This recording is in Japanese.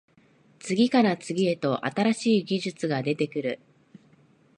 次から次へと新しい技術が出てくる